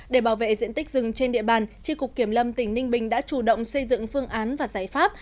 để bảo vệ diện tích rừng trên địa bàn tri cục kiểm lâm tỉnh ninh bình đã chủ động xây dựng phương án và giải pháp